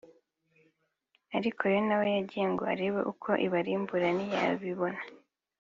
Ariko Yona we yagiye ngo arebe uko Ibarimbura ntiyabibona